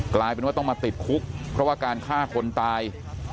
กลายเป็นว่าต้องมาติดคุกเพราะว่าการฆ่าคนตาย